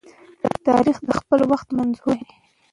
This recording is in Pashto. تاریخ د خپل وخت مظهور دی.